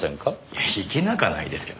いやいけなくはないですけど。